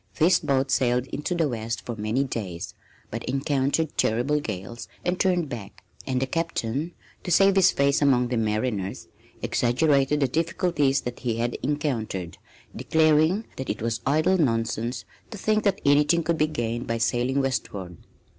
This boat sailed into the west for many days, but encountered terrible gales and turned back; and the captain, to save his face among the mariners, exaggerated the difficulties that he had encountered, declaring that it was idle nonsense to think that anything could be gained by sailing westward.